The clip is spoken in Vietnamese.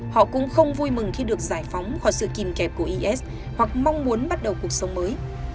họ cũng không vui mừng khi được giải phóng khỏi sự kìm kẹp của is hoặc mong muốn bắt đầu cuộc sống mới